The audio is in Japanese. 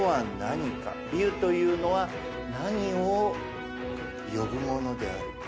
龍というのは何を呼ぶもので。